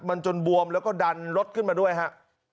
มันจนบวมแล้วก็ดันรถขึ้นมาด้วยฮะ